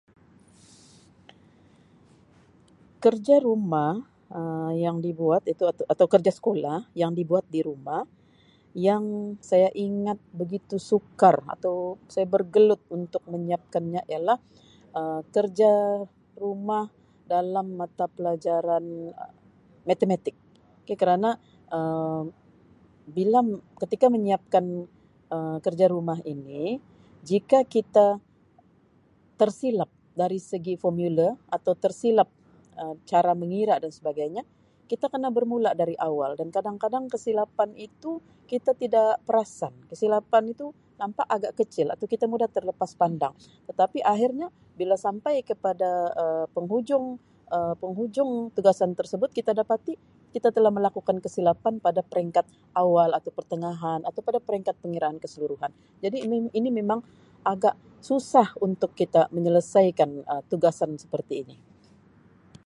Kerja rumah Um yang dibuat atau-atau kerja sekolah yang dibuat di rumah yang saya ingat begitu sukar atau saya bergelut untuk menyiapkannya ialah Um kerja rumah dalam mata pelajaran Um Matematik, okay kerana bila, ketika menyiapkan Um kerja rumah ini jika kita tersilap dari segi formula atau tersilap Um cara mengira dan sebagainya kita kena bermula dari awal dan kadang-kadang kesilapan itu kita tidak perasan. Kesilapan itu nampaknagak kecil atau kita mudah terlepas pandang tetapi akhirnya bila sampai Um kepada Um penghujung Um penghujung tugasan tersebut kita dapati kita telah pun melakukan kesilapan pada peringkat awal atau pertengahan atau pada peringkat pengiraan keseluruhan jadi ini memang agak susah untuk kita menyelesaikan tugasan seperti ini.